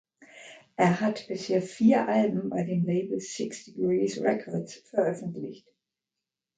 Er hat bisher vier Alben bei dem Label "Six Degrees Records" veröffentlicht.